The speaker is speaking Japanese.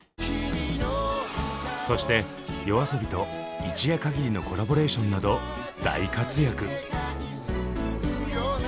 そしてＹＯＡＳＯＢＩと一夜かぎりのコラボレーションなど大活躍。